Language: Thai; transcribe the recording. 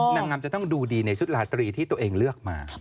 นางงามจะต้องดูดีในชุดลาตรีที่ตัวเองเลือกมา